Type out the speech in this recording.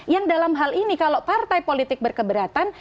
yang dalam hal ini kalau partai politik berkeberatan